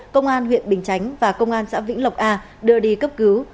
công an huyện bình chánh và công an xã vĩnh lộc a đưa đi cấp cứu